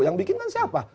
yang bikin kan siapa